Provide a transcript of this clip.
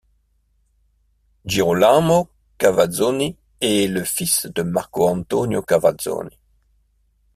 Girolamo Cavazzoni est le fils de Marco Antonio Cavazzoni.